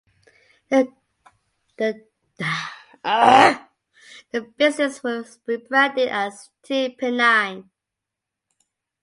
The business was rebranded as Team Pennine.